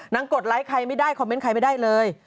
กดไลค์ใครไม่ได้คอมเมนต์ใครไม่ได้เลย